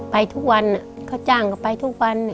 ไปทุกวันเขาจ้างเขาไปทุกวัน